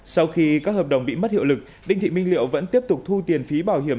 sau khi các hợp đồng bị mất hiệu lực đinh thị minh liệu vẫn tiếp tục thu tiền phí bảo hiểm